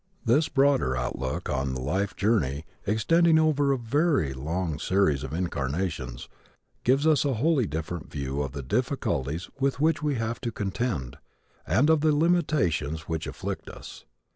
This broader outlook on the life journey, extending over a very long series of incarnations, gives us a wholly different view of the difficulties with which we have to contend and of the limitations which afflict us.